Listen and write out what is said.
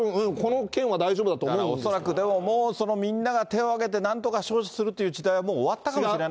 これはたぶん、恐らく、でも、もうみんなが手を挙げて、なんとか招致するという時代は、終わったかもしれな